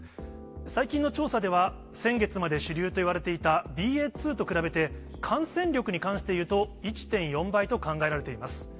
最近の調査では、先月まで主流といわれていた、ＢＡ．２と比べて、感染力に関していうと、１．４倍と考えられています。